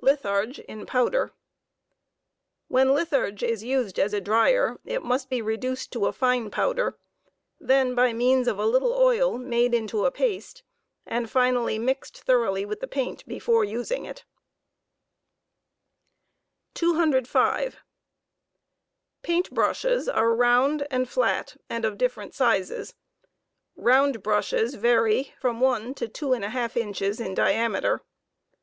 Litharge, in powder. When litharge is used as a drier, it must be reduced to a fine powder; then, by means of a little oil, made into paste, and finally mixed thoroughly with the paint before using it ' paint brushes. 205. Faint brushes are round and flat, and of different sizes. Bound brushes vary from one to two and a half inches in diameter.